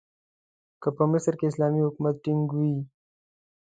که په مصر کې اسلامي حکومت ټینګ وي.